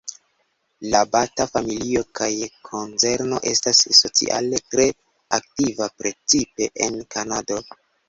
La Bata-familio kaj konzerno estas sociale tre aktiva, precipe en Kanado.